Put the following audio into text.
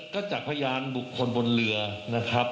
ก็จากพยานบุคคลบนเรือนะครับ